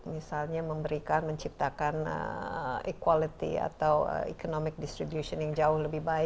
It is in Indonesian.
misalnya memberikan menciptakan equality atau economic distribution yang jauh lebih baik